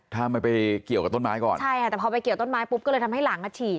ถ้าไม่ไปเกี่ยวกับต้นไม้ก่อนใช่ค่ะแต่พอไปเกี่ยวต้นไม้ปุ๊บก็เลยทำให้หลังอ่ะฉีด